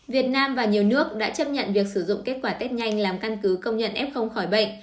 việt nam và nhiều nước đã chấp nhận việc sử dụng kết quả test nhanh làm căn cứ công nhận f khỏi bệnh